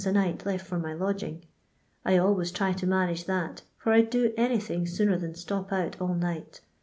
a night left for my lodging ; I always try to manage that, for I 'd do anything sooner than stop out all night.